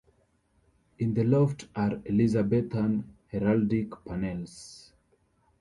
In the loft are Elizabethan heraldic panels.